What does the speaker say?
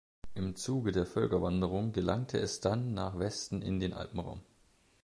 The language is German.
Im Zuge der Völkerwanderung gelangte es dann nach Westen in den Alpenraum.